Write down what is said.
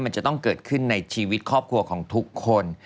มันจะต้องเกิดขึ้นในชีวิตครอบครัวของทุกคน